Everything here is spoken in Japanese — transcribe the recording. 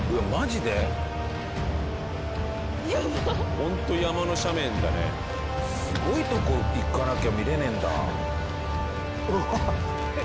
ホント山の斜面だねすごいとこ行かなきゃ見られないんだうわっ